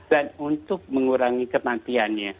dan untuk mengurangi kematiannya